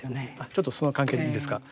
ちょっとその関係でいいですかはい。